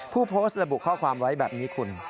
ผู้โพสต์ระบุข้อความไว้แบบนี้คุณ